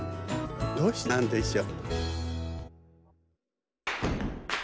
どうしてなんでしょう？